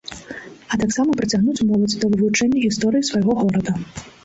А таксама прыцягнуць моладзь да вывучэння гісторыі свайго горада.